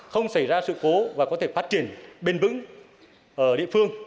không xảy ra sự cố và có thể phát triển bền vững ở địa phương